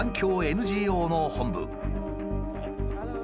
ＮＧＯの本部。